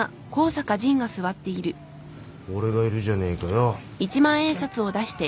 俺がいるじゃねえかよ。